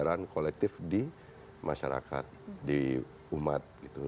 jadi itu bisa jadi kolektif di masyarakat di umat gitu